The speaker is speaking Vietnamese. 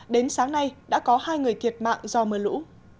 đến sáng nay đã có hai người thiệt mạng do mưa lũ